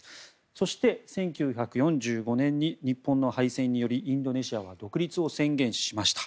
そして、１９４５年に日本の敗戦によりインドネシアは独立を宣言しました。